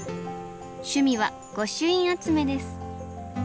趣味は御朱印集めです。